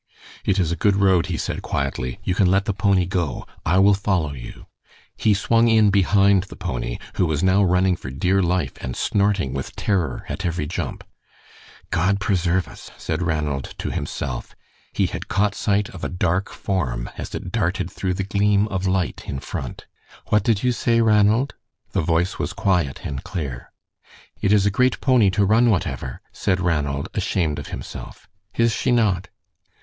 "It is a good road," he said, quietly; "you can let the pony go. I will follow you." He swung in behind the pony, who was now running for dear life and snorting with terror at every jump. "God preserve us!" said Ranald to himself. He had caught sight of a dark form as it darted through the gleam of light in front. "What did you say, Ranald?" The voice was quiet and clear. "It is a great pony to run whatever," said Ranald, ashamed of himself. "Is she not?"